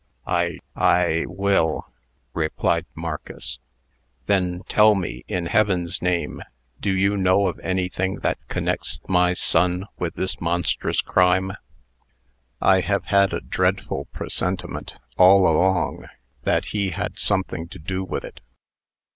"I I will," replied Marcus. "Then tell me, in Heaven's name, do you know of anything that connects my son with this monstrous crime? I have had a dreadful presentiment, all along, that he had something to do with it.